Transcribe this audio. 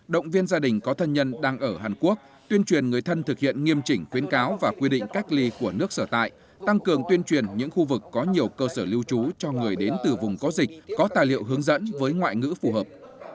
động viên gia đình có thân nhân đang ở hàn quốc tuyên truyền người thân thực hiện nghiêm chỉnh khuyến cáo và quy định cách ly của nước sở tại tăng cường tuyên truyền những khu vực có nhiều cơ sở lưu trú cho người đến từ vùng có dịch có tài liệu hướng dẫn với ngoại ngữ phù hợp